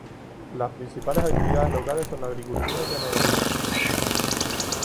Las principales actividades locales son la agricultura y ganadería.